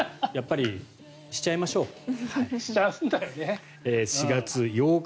やっぱりしちゃいましょう。